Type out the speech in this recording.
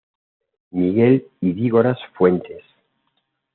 Miguel Ydígoras Fuentes.